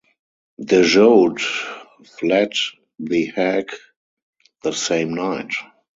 De Jode fled The Hague the same night.